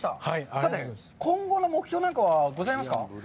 さて、今後の目標なんかはございますか。